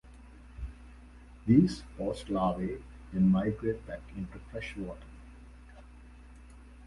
These postlarvae then migrate back into fresh water.